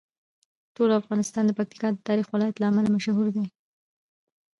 ټول افغانستان د پکتیکا د تاریخي ولایت له امله مشهور دی.